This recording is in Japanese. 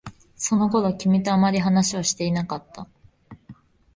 その頃、君とあまり話をしていなかった。